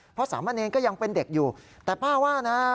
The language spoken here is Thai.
เพราะสามะเนรก็ยังเป็นเด็กอยู่แต่ป้าว่านะ